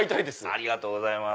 ありがとうございます。